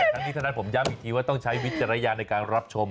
ใช้วิจารณญาโป่งในการรับชม